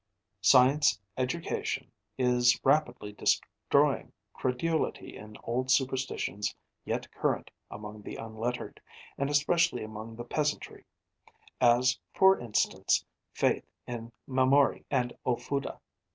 Scientific education is rapidly destroying credulity in old superstitions yet current among the unlettered, and especially among the peasantry as, for instance, faith in mamori and ofuda.